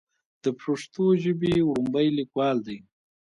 د پښتو ژبې وړومبے ليکوال دی